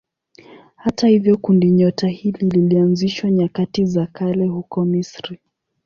Hata hivyo kundinyota hili lilianzishwa nyakati za kale huko Misri.